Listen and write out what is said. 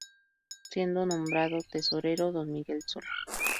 Siendo nombrado Tesorero Don Miguel Sola.